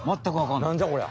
なんじゃこりゃ。